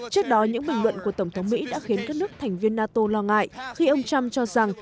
khi ông trump cho rằng